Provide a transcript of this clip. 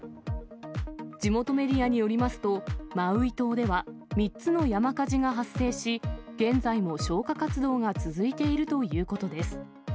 地元メディアによりますと、マウイ島では、３つの山火事が発生し、現在も消火活動が続いているということです。